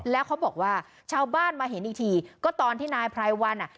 แล้วเขาบอกว่าชาวบ้านมาเห็นอีกทีก็ตอนที่นายไพรวันอ่ะ